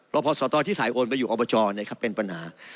พศตที่ถ่ายโอนไปอยู่อบจเป็นปัญหา